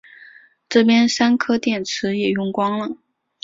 这边三颗电池也用光了